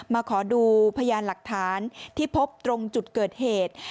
มาขอดูพยานหลักฐานที่พบตรงจุดเกิดเหตุ